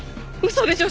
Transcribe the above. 嘘でしょ？